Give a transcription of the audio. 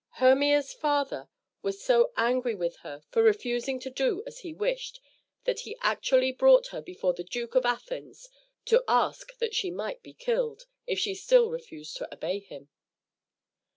Hermia's father was so angry with her for refusing to do as he wished, that he actually brought her before the Duke of Athens to ask that she might be killed, if she still refused to obey him.